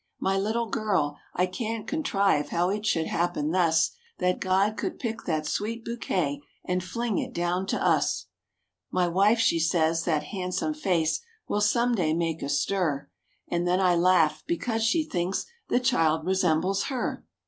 My little girl I can't contrive how it should happen thus That God could pick that sweet bouquet, and fling it down to us! My wife, she says that han'some face will some day make a stir; And then I laugh, because she thinks the child resembles her.